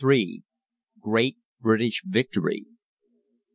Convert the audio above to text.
GREAT BRITISH VICTORY.